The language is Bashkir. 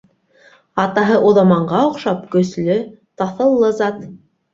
Атаһы Уҙаманға оҡшап көслө, таҫыллы зат.